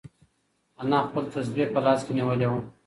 انا خپل تسبیح په لاس کې نیولې وه.